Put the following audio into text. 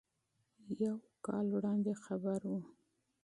یو کال وړاندې خبر و.